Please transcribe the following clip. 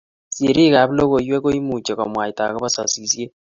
Sirik ab logoiywek ko imuchi komwaita akoba sasishet